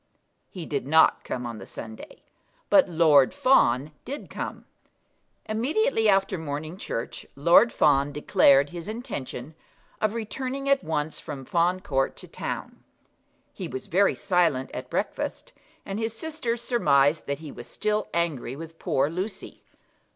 He did not come on the Sunday, but Lord Fawn did come. Immediately after morning church Lord Fawn declared his intention of returning at once from Fawn Court to town. He was very silent at breakfast, and his sisters surmised that he was still angry with poor Lucy.